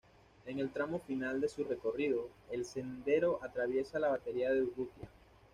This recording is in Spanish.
En el tramo final de su recorrido, el sendero atraviesa la Batería de Urrutia.